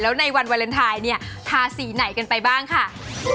แล้วในวันวาเลนไทยเนี่ยทาสีไหนกันไปบ้างค่ะ